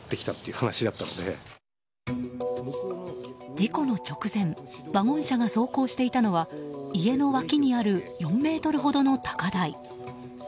事故の直前ワゴン車が走行していたのは家の脇にある４ｍほどの高台。